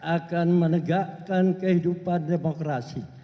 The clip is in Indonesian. akan menegakkan kehidupan demokrasi